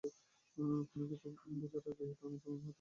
কোন কিছু বুঝার আগেই তারা মুসলমানদের হাতে হত্যাযজ্ঞের শিকার হতে থাকে।